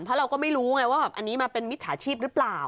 เพราะเราก็ไม่รู้ไงว่าอันนี้มาเป็นมิจฉาชีพหรือเปล่า